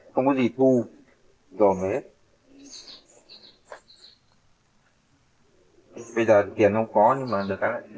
không nợ cái này